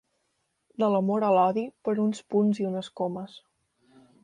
De l'amor a l'odi per uns punts i unes comes.